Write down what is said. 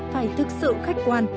phải thực sự khách quan